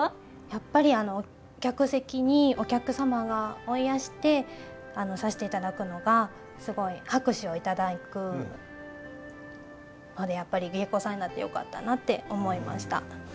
やっぱり客席にお客様がおいやしてさしていただくのがすごい拍手を頂くのでやっぱり芸妓さんになってよかったなって思いました。